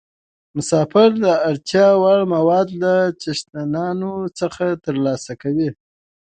مسافر د اړتیا وړ مواد له څښتنانو څخه ترلاسه کوي.